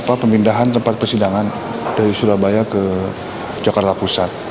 apa pemindahan tempat persidangan dari surabaya ke jakarta pusat